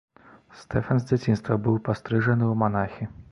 Стэфан з дзяцінства быў пастрыжаны ў манахі.